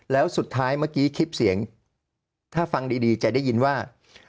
แล้วสุดท้ายเมื่อกี้คลิปเสียงถ้าฟังดีจะได้ยินว่า